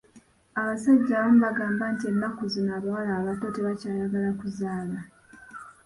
Abasajja abamu bagamba nti ennaku zino abawala abato tebakyayagala kuzaala.